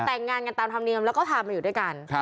แต่งงานกันตามธรรมเนียมแล้วก็พามาอยู่ด้วยกัน